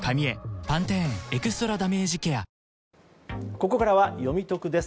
ここからはよみトクです。